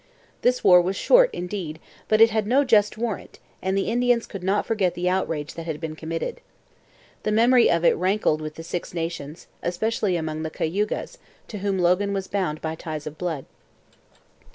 This war was short, indeed, but it had no just warrant, and the Indians could not forget the outrage that had been committed. The memory of it rankled with the Six Nations, especially among the Cayugas, to whom Logan was bound by ties of blood.